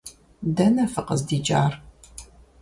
Дэнэ фыкъыздикӀар?